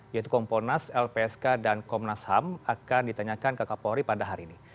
yaitu komponas lpsk dan komnas ham akan ditanyakan ke kapolri pada hari ini